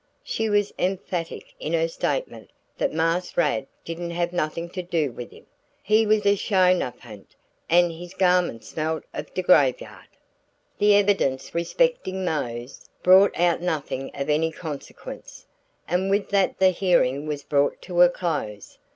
She was emphatic in her statement that "Marse Rad didn't have nuffen to do wif him. He was a sho' nuff ha'nt an' his gahments smelt o' de graveyard." The evidence respecting Mose brought out nothing of any consequence, and with that the hearing was brought to a close.